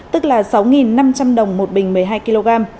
tức là sáu năm trăm linh đồng một bình một mươi hai kg